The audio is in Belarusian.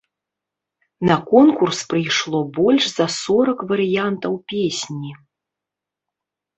На конкурс прыйшло больш за сорак варыянтаў песні.